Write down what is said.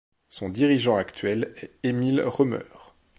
Son dirigeant actuel est Emile Roemer.